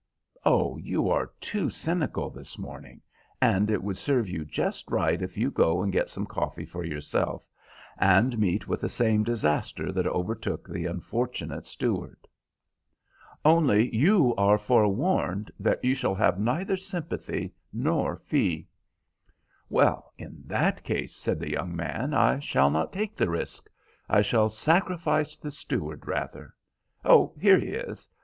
"Oh, you are too cynical this morning, and it would serve you just right if you go and get some coffee for yourself, and meet with the same disaster that overtook the unfortunate steward. Only you are forewarned that you shall have neither sympathy nor fee." "Well, in that case," said the young man, "I shall not take the risk. I shall sacrifice the steward rather. Oh, here he is.